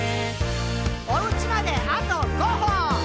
「おうちまであと５歩！」